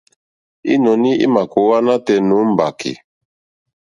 Ínɔ̀ní ímà kòówá nátɛ̀ɛ̀ nǒ mbàkì.